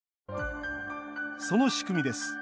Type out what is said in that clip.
その仕組みです。